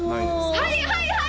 はいはいはい！